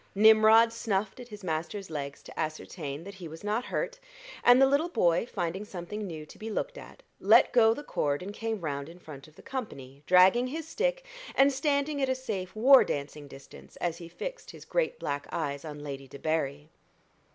Nimrod snuffed at his master's legs to ascertain that he was not hurt, and the little boy, finding something new to be looked at, let go the cord and came round in front of the company, dragging his stick, and standing at a safe war dancing distance as he fixed his great black eyes on Lady Debarry.